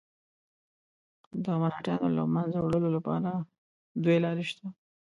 د مرهټیانو له منځه وړلو لپاره دوې لارې شته.